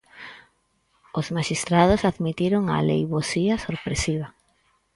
Os maxistrados admitiron a aleivosía sorpresiva.